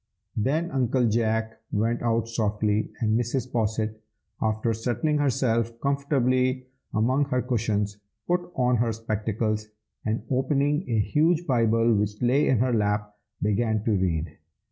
Then Uncle Jack went out softly, and Mrs. Posset, after settling herself comfortably among her cushions, put on her spectacles, and opening a huge Bible which lay in her lap, began to read.